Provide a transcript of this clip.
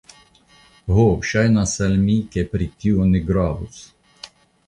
Ho, ŝajnas al mi, ke pri tio ne gravus.